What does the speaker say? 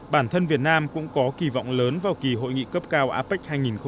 bản thân việt nam cũng có kỳ vọng lớn vào kỳ hội nghị cấp cao apec hai nghìn hai mươi